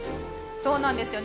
そうなんですよね。